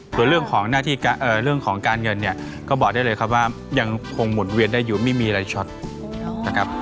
ส่วนเรื่องของเรื่องของการเงินเนี่ยก็บอกได้เลยครับว่ายังคงหมุนเวียนได้อยู่ไม่มีอะไรช็อตนะครับ